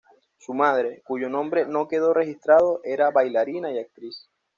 Su madre, cuyo nombre no quedó registrado, era bailarina y actriz.